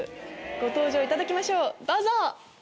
ご登場いただきましょうどうぞ！